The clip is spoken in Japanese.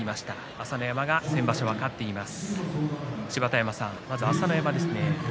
朝乃山は先場所、勝っています。